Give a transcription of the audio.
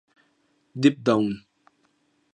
Deep Down.